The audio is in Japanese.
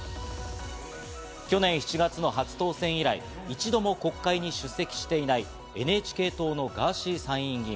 去年７月の初当選以来、一度も国会に出席していないＮＨＫ党のガーシー参議院議員。